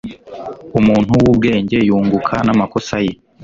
Umuntu wubwenge yunguka namakosa ye.